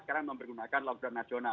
sekarang mempergunakan lockdown nasional